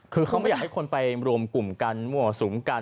คือเขาไม่อยากให้คนไปรวมกลุ่มกันมั่วสุมกัน